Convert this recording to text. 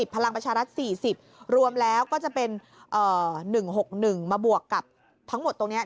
พลังประชารัฐ๔๐รวมแล้วก็จะเป็น๑๖๑มาบวกกับทั้งหมดตรงนี้